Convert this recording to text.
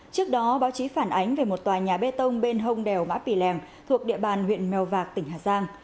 trước đó báo chí phản ánh về một tòa nhà bê tông bên hông đèo bã pì lèm thuộc địa bàn huyện mèo vạc tỉnh hà giang